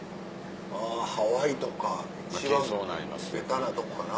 ハワイとか一番ベタなとこかな。